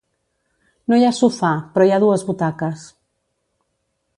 No hi ha sofà, però hi ha dues butaques.